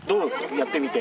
やってみて。